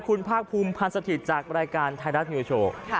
คุณภาคภูมิพันธ์สถิตย์จากรายการไทยรัฐนิวโชว์